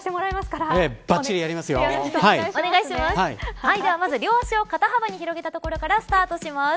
まずは両足を肩幅に広げたところからスタートします。